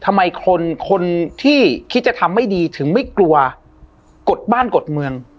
ทำไมคนคนที่คิดจะทำไม่ดีถึงไม่กลัวกดบ้านกดเมือง